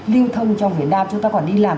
lưu thông trong việt nam chúng ta còn đi làm